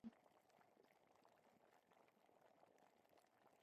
watoto wao Namba ule mfano wa witonamajibu marudio ya misemo isiyokuwa na